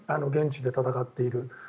現地で戦っている。